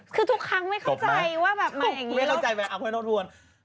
คือทุกครั้งไม่เข้าใจว่าแบบมันแบบเอง